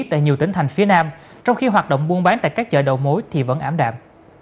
tại nhiều tỉnh thành phía nam trong khi hoạt động buôn bán tại các chợ đầu mối thì vẫn ảm đạm